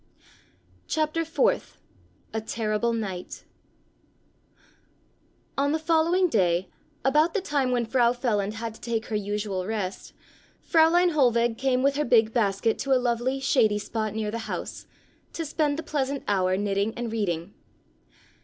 *CHAPTER FOURTH* *A TERRIBLE NIGHT* On the following day, about the time when Frau Feland had to take her usual rest, Fräulein Hohlweg came with her big basket to a lovely, shady spot near the house, to spend the pleasant hour knitting and reading.